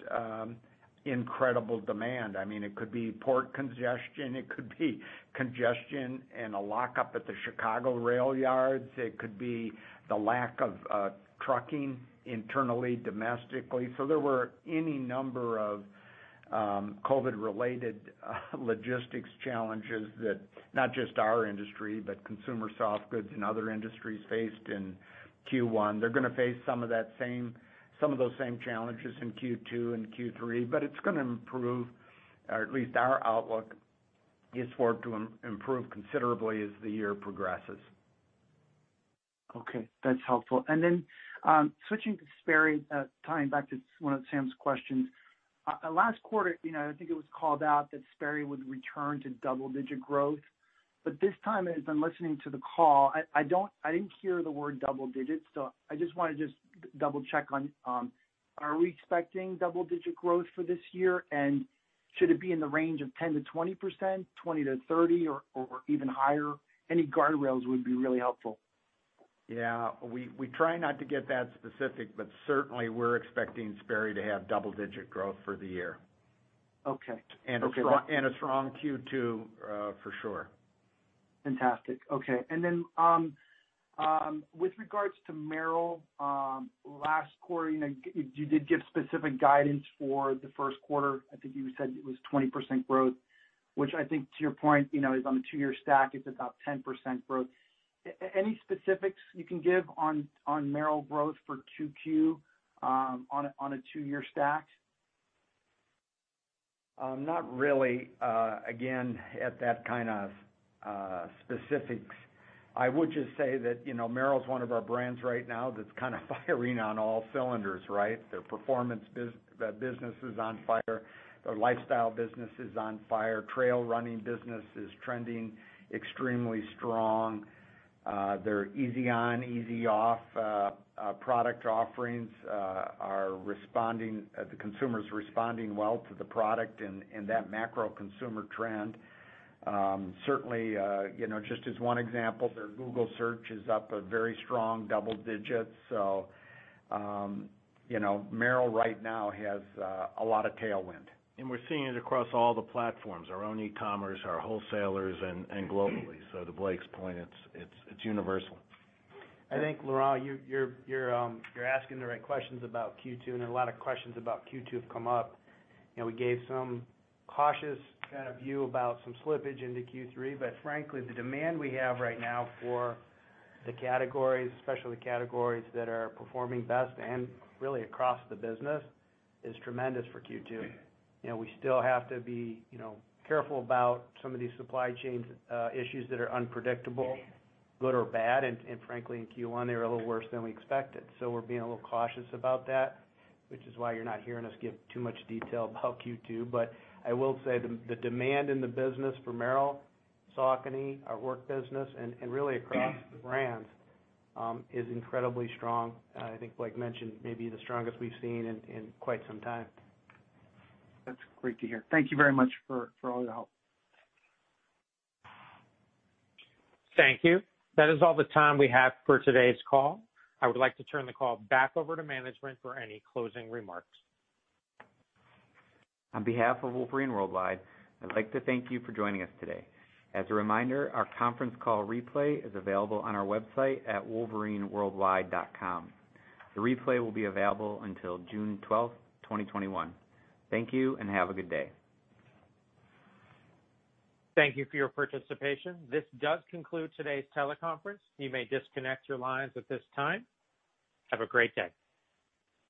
incredible demand. I mean, it could be port congestion, it could be congestion and a lockup at the Chicago rail yards. It could be the lack of trucking internally, domestically. So there were any number of COVID-related logistics challenges that not just our industry, but consumer soft goods and other industries faced in Q1. They're gonna face some of that same, some of those same challenges in Q2 and Q3, but it's gonna improve, or at least our outlook is for it to improve considerably as the year progresses.
Okay, that's helpful. And then, switching to Sperry, tying back to one of Sam's questions. Last quarter, you know, I think it was called out that Sperry would return to double-digit growth. But this time, as I'm listening to the call, I don't. I didn't hear the word double digits, so I just wanted to just double-check on, are we expecting double-digit growth for this year? And should it be in the range of 10%-20%, 20%-30%, or even higher? Any guardrails would be really helpful.
Yeah, we try not to get that specific, but certainly, we're expecting Sperry to have double-digit growth for the year.
Okay.
A strong Q2, for sure.
Fantastic. Okay. And then, with regards to Merrell, last quarter, you know, you did give specific guidance for the first quarter. I think you said it was 20% growth, which I think, to your point, you know, is on a two-year stack, it's about 10% growth. Any specifics you can give on Merrell growth for 2Q, on a two-year stack?
Not really, again, at that kind of specifics. I would just say that, you know, Merrell's one of our brands right now that's kind of firing on all cylinders, right? Their performance business is on fire, their lifestyle business is on fire, trail running business is trending extremely strong. Their easy on, easy off product offerings are responding. The consumer is responding well to the product and that macro consumer trend. Certainly, you know, just as one example, their Google search is up a very strong double digits. So, you know, Merrell right now has a lot of tailwind.
We're seeing it across all the platforms, our own e-commerce, our wholesalers, and globally. So to Blake's point, it's universal.
I think, Laurent, you're asking the right questions about Q2, and a lot of questions about Q2 have come up. You know, we gave some cautious kind of view about some slippage into Q3, but frankly, the demand we have right now for the categories, especially the categories that are performing best and really across the business, is tremendous for Q2. You know, we still have to be careful about some of these supply chains issues that are unpredictable, good or bad, and frankly, in Q1, they were a little worse than we expected. So we're being a little cautious about that, which is why you're not hearing us give too much detail about Q2. But I will say the demand in the business for Merrell, Saucony, our work business, and really across the brands, is incredibly strong. I think Blake mentioned, maybe the strongest we've seen in quite some time.
That's great to hear. Thank you very much for all your help.
Thank you. That is all the time we have for today's call. I would like to turn the call back over to management for any closing remarks.
On behalf of Wolverine Worldwide, I'd like to thank you for joining us today. As a reminder, our conference call replay is available on our website at wolverineworldwide.com. The replay will be available until June 12, 2021. Thank you, and have a good day.
Thank you for your participation. This does conclude today's teleconference. You may disconnect your lines at this time. Have a great day.